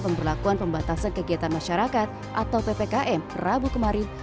pemberlakuan pembatasan kegiatan masyarakat atau ppkm rabu kemarin